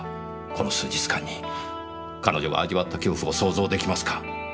この数日間に彼女が味わった恐怖を想像できますか？